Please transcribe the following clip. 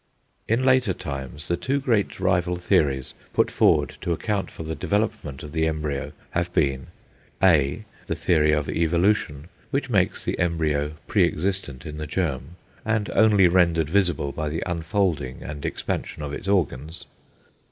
In later times the two great rival theories put forward to account for the development of the embryo have been (a) The theory of Evolution, which makes the embryo pre existent in the germ, and only rendered visible by the unfolding and expansion of its organs.